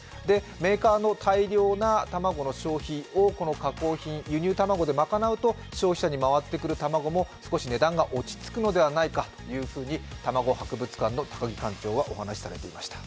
メーカーの大量な卵の消費を、輸入卵で賄うと消費者に回ってくる卵も少し値段が落ち着くのではないかというふうに卵博物館の館長がお話されていました。